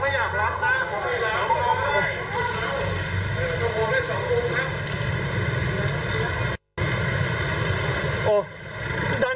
พวกเขาประสานมาแล้วครับขออนุญาต